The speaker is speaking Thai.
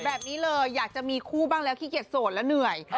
แบบนี้เลยอยากจะมีคู่บ้างแล้วขี้เกียจโสดแล้วเหนื่อย